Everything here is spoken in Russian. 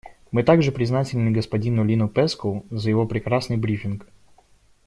Мы также признательны господину Линну Пэскоу за его прекрасный брифинг.